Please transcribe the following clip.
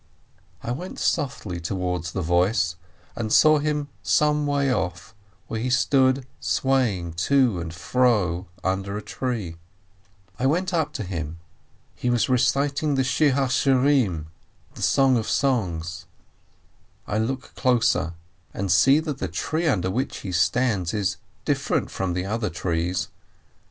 I went softly towards the voice, and saw him some way off, where he stood swaying to and fro under a tree. I went up to him — he was reciting the Song of Songs. I look closer and see that the tree under which he stands is different from the other trees.